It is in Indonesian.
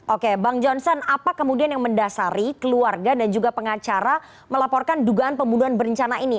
oke bang johnson apa kemudian yang mendasari keluarga dan juga pengacara melaporkan dugaan pembunuhan berencana ini